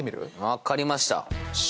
分かりました。